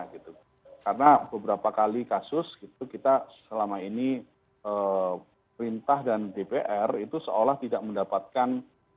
karena beberapa kali kasus kita selama ini perintah dan dpr itu seolah tidak mendapatkan